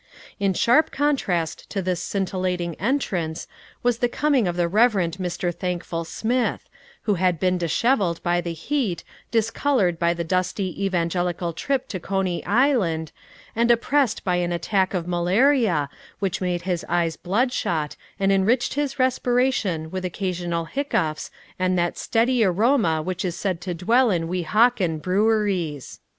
In sharp contrast to this scintillating entrance was the coming of the Reverend Mr. Thankful Smith, who had been disheveled by the heat, discolored by a dusty evangelical trip to Coney Island, and oppressed by an attack of malaria which made his eyes bloodshot and enriched his respiration with occasional hiccoughs and that steady aroma which is said to dwell in Weehawken breweries.